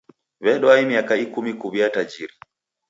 Wadwae miaka ikumi kuw'uya tajiri.